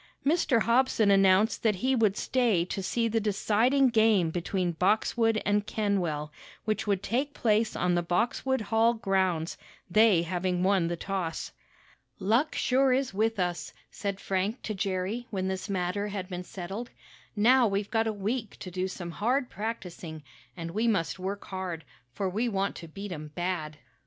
Mr. Hobson announced that he would stay to see the deciding game between Boxwood and Kenwell, which would take place on the Boxwood Hall grounds, they having won the toss. "Luck sure is with us," said Frank to Jerry when this matter had been settled. "Now we've got a week to do some hard practicing, and we must work hard, for we want to beat 'em bad."